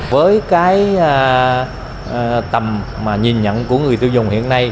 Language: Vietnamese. với cái tầm mà nhìn nhận của người tiêu dùng hiện nay